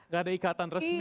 gak ada ikatan resmi